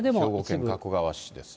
兵庫県加古川市ですね。